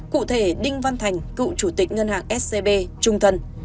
cụ thể đinh văn thành cựu chủ tịch ngân hàng scb trung thân